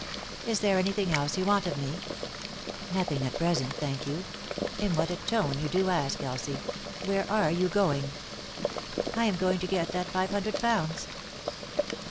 " Is there anything else you want of me ?"" Nothing, at present, thank you. In what a tone you do ask, Elsie I Where are you going f "" I am going to get that five hundred pounds."